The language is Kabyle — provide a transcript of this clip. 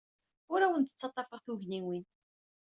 Ur awen-d-ttaḍḍafeɣ tugniwin.